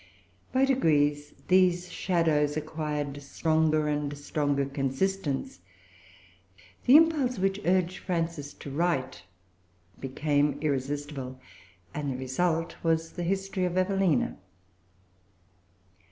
By degrees these shadows acquired stronger and stronger consistence; the impulse which urged Frances to write became irresistible; and the result was the history of Evelina.